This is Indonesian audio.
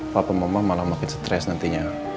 papa mama malah makin stres nantinya